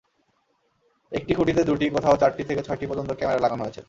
একটি খুঁটিতে দুটি, কোথাও চারটি থেকে ছয়টি পর্যন্ত ক্যামেরা লাগানো রয়েছে।